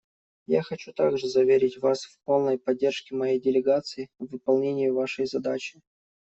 Я хочу также заверить вас в полной поддержке моей делегации в выполнении вашей задачи.